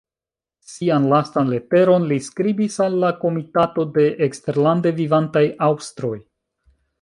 Sian lastan leteron li skribis al la Komitato de Eksterlande Vivantaj Aŭstroj.